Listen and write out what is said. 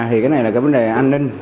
thì cái này là cái vấn đề an ninh